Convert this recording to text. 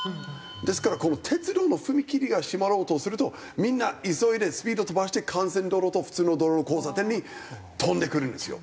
ですからこの鉄道の踏切が閉まろうとするとみんな急いでスピード飛ばして幹線道路と普通の道路の交差点に飛んでくるんですよ。